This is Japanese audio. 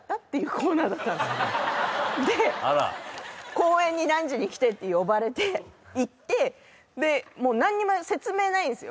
「公園に何時に来て」って呼ばれて行ってもう何にも説明ないんですよ